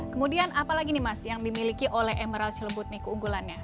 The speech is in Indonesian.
kemudian apalagi nih mas yang dimiliki oleh emerald celebut nih keunggulannya